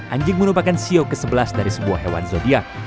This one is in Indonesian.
anjing merupakan sio ke sebelas dari sebuah hewan zodiac